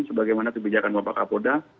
sebagaimana kebijakan bapak kapolda